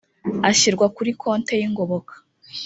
ashyirwa kuri konti y ingoboka